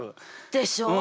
でしょう？